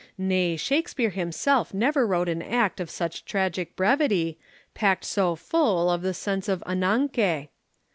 Nay, Shakespeare himself never wrote an act of such tragic brevity, packed so full of the sense of anagke.